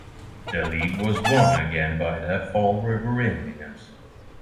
The league was won again by the Fall River Indians.